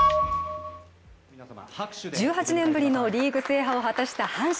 １８年ぶりのリーグ制覇を果たした阪神。